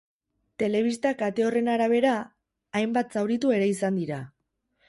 Telebista kate horren arabera, hainbat zauritu ere izan dira.